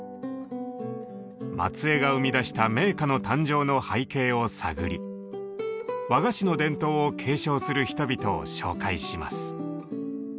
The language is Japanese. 松江が生み出した銘菓の誕生の背景を探り和菓子の伝統を継承する人々を紹介します。